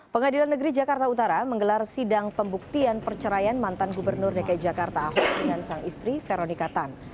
pengadilan negeri jakarta utara menggelar sidang pembuktian perceraian mantan gubernur dki jakarta ahok dengan sang istri veronika tan